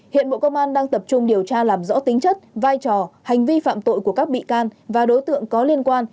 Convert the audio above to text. hiện bộ công an đang tập trung điều tra làm rõ tính chất vai trò hành vi phạm tội của các bị can và đối tượng có liên quan